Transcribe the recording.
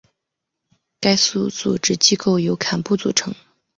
该寺组织机构由堪布组成。